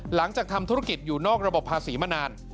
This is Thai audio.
หลังจากทำธุรกิจอยู่นอกระบบภาษีมานาน